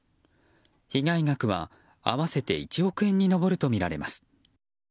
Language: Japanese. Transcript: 被害額は、合わせて１億円に上るとみられます。